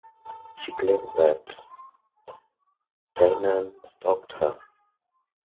She claims that Tynan stalked her.